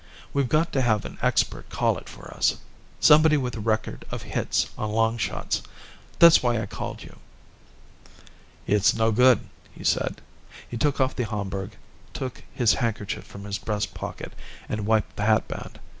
We've got to have an expert call it for us somebody with a record of hits on long shots. That's why I called you." "It's no good," he said. He took off the Homburg, took his handkerchief from his breast pocket, and wiped the hatband.